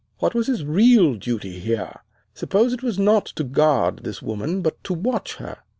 What was his real duty here? Suppose it was not to guard this woman, but to watch her.